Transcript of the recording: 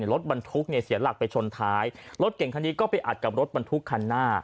รถบรรทุกเนี่ยเสียหลักไปชนท้ายรถเก่งคันนี้ก็ไปอัดกับรถบรรทุกคันหน้า